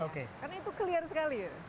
karena itu clear sekali